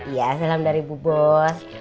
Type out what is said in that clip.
iya salam dari bu bos